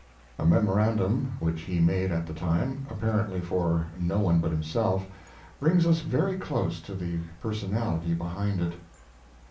A memorandum which he made at the time, apparently for no one but himself, brings us very close to the personality behind it.